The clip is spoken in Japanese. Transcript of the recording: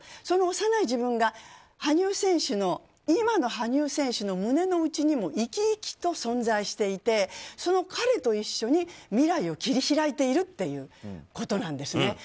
その幼い自分が今の羽生選手の胸の内にも生き生きと存在していてその彼と一緒に未来を切り開いているということなんですね。